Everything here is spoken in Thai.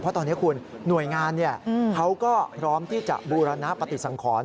เพราะตอนนี้คุณหน่วยงานเขาก็พร้อมที่จะบูรณปฏิสังขร